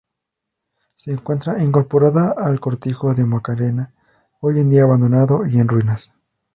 Se encuentra incorporada al cortijo de Macarena, hoy en día abandonado y en ruinas.